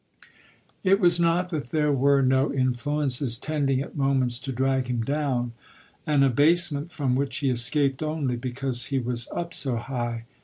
It was not that there were no influences tending at moments to drag him down an abasement from which he escaped only because he was up so high.